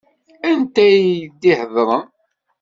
Anta i d-iheḍṛen?